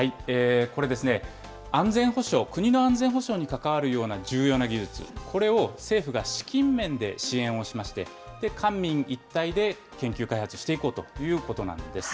これですね、安全保障、国の安全保障に関わるような重要な技術、これを政府が資金面で支援をしまして、官民一体で研究開発していこうということなんです。